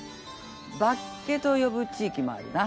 バッケと呼ぶ地域もあるな。